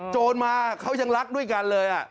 โจรมาเขายังรักด้วยกันเลย